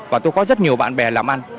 và tôi có rất nhiều bạn bè làm ăn